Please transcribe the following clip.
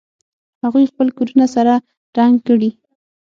هغوی خپل کورونه سره رنګ کړي